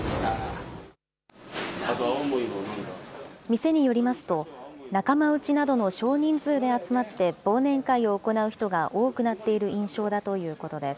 店によりますと、仲間うちなどの少人数で集まって忘年会を行う人が多くなっている印象だということです。